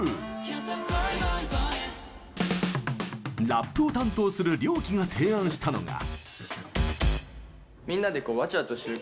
ラップを担当するＲＹＯＫＩが提案したのが。